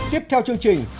tiếp theo chương trình